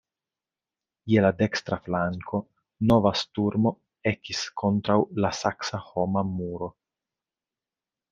Je la dekstra flanko nova sturmo ekis kontraŭ la saksa homa muro.